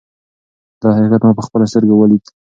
دا حقیقت ما په خپلو سترګو ولید.